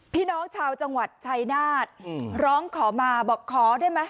พี่น้องชาวจังหวัดชัยนาฏร้องขอมาบอกขอได้ไหม